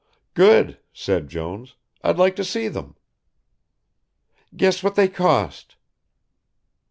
"Good," said Jones, "I'd like to see them." "Guess what they cost?"